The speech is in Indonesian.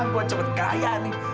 buat cepat kaya nih